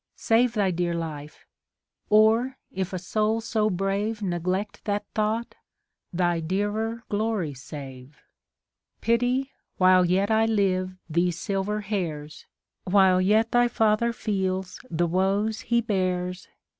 Save thy clear life ; or, if a soul so brave Neglect that thought, thy clearer glory save. Pity, while yet I live, these silver hairs ; While yet thy father feels the woes he bears.